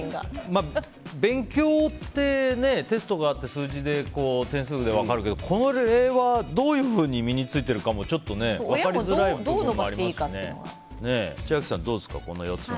勉強って、テストがあって数字で点数で分かるけど、これはどういうふうに身に着いているかも分かりづらい親もどう伸ばしていいか千秋さん、どうですか？